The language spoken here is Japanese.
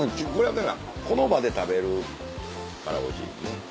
この場で食べるからおいしいよね。